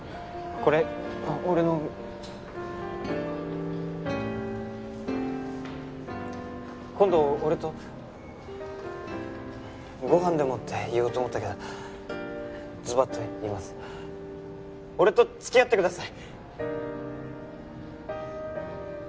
これ俺の今度俺とご飯でもって言おうと思ったけどズバッと言います俺とつきあってください